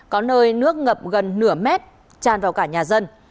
có nơi nước ngập gần nửa mét tràn vào cả nhà dân